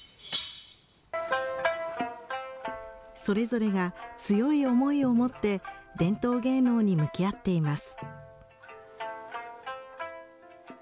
それぞれが強い思いを持って、伝統芸能に向き合っています。